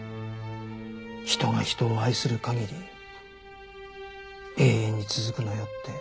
人が人を愛する限り永遠に続くのよって。